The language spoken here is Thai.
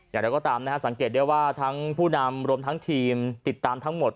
อยากแล้วก็ตามนะครับสังเกตได้ที่ว่าทั้งผู้นำหรือทางทีมติดตามทั้งหมด